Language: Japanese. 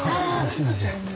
すいません。